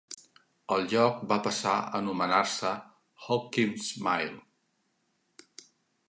El lloc va passar a anomenar-se "Hopkins Mill".